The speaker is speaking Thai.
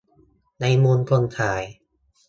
ในมุมคนขาย